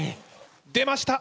出ました！